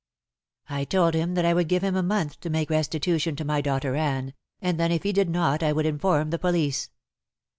"I told him that I would give him a month to make restitution to my daughter Anne, and then if he did not I would inform the police."